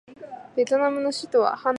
ベトナムの首都はハノイである